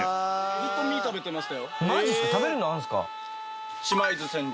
ずっと食べてました。